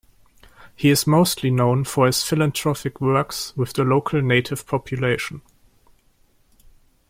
He is mostly known for his philanthropic works with the local native population.